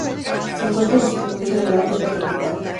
Se encuentra distribuido en el África tropical.